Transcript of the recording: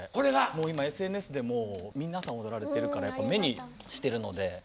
もう今ＳＮＳで皆さん踊られてるからやっぱ目にしてるので。